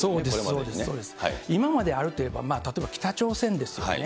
そうです、そうです、あるといえば、例えば北朝鮮ですよね。